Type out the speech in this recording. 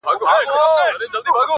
هغې په نيمه شپه ډېـــــوې بلــــي كړې,